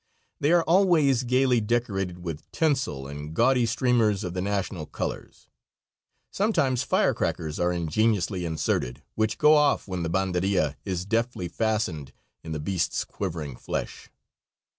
They are always gayly decorated with tinsel and gaudy streamers of the national colors. Sometimes firecrackers are ingeniously inserted, which go off when the banderilla is deftly fastened in the beast's quivering flesh.